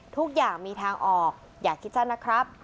ทุกอย่างมีทางออกอย่าคิดสั้นนะครับ